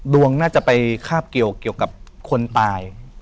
ดวงน่าจะไปคาบเกี่ยวกับคนตาย